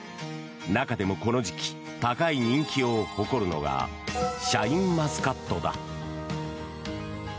中でもこの時期高い人気を誇るのがシャインマスカットだ。